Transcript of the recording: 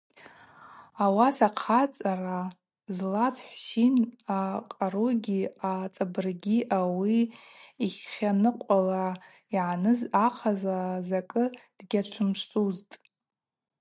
Ауаса хъацӏара злаз Хӏвсин акъаругьи ацӏабырггьи ауи йытланыкъвала йъаныз ахъазла закӏы дгьачвымшвузтӏ.